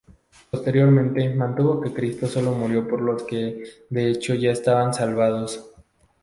Posteriormente mantuvo que Cristo sólo murió por los que de hecho ya estaban salvados.